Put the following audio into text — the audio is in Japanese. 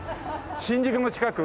新宿の近く？